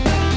ya itu dia